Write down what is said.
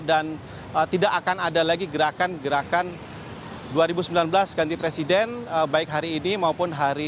dan tidak akan ada lagi gerakan gerakan dua ribu sembilan belas ganti presiden baik hari ini maupun hari ini